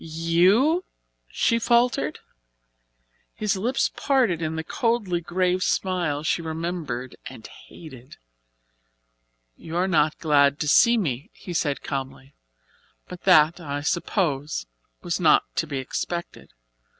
"You?" she faltered. His lips parted in the coldly grave smile she remembered and hated. "You are not glad to see me," he said calmly, "but that, I suppose, was not to be expected.